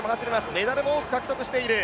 メダルも多く獲得している。